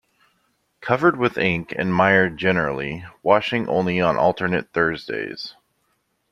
Covered with ink and mire generally, washing only on alternate Thursdays.